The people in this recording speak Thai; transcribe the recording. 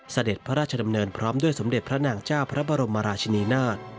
เสด็จพระราชดำเนินพร้อมด้วยสมเด็จพระนางเจ้าพระบรมราชินีนาฏ